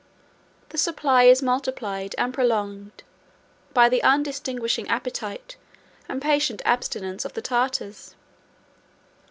The supply is multiplied and prolonged by the undistinguishing appetite, and patient abstinence, of the Tartars.